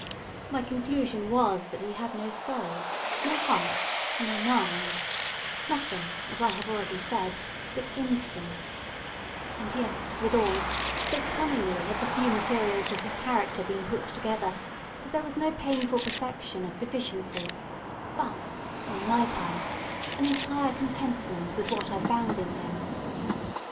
My conclusion was that he had no soul, no heart, no mind; nothing, as I have already said, but instincts; and yet, withal, so cunningly had the few materials of his character been put together that there was no painful perception of deficiency, but, on my part, an entire contentment with what I found in him.